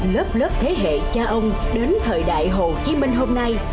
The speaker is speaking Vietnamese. lớp lớp thế hệ cha ông đến thời đại hồ chí minh hôm nay